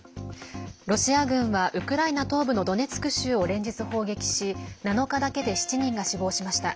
ロシア軍はウクライナ東部のドネツク州を連日砲撃し７日だけで７人が死亡しました。